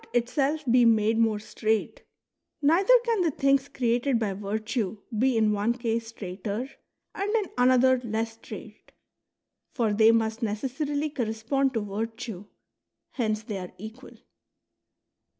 itself be made more straight, neither can the things created by virtue be in one case straighter and in another less sti aight. For they must necessarily correspond to virtue ; hence they are equal.